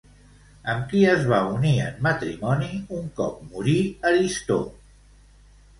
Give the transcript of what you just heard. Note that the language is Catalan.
Amb qui es va unir en matrimoni un cop morí Aristó?